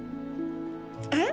えっ？